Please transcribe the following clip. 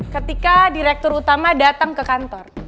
ketika direktur utama datang ke kantor